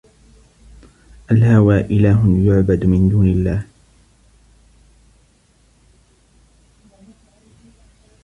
الْهَوَى إلَهٌ يُعْبَدُ مِنْ دُونِ اللَّهِ